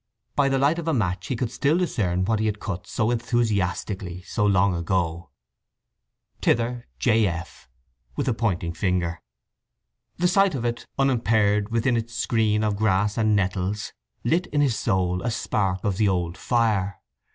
By the light of a match he could still discern what he had cut so enthusiastically so long ago: [THITHER—J. F. [with a pointing finger]] The sight of it, unimpaired, within its screen of grass and nettles, lit in his soul a spark of the old fire.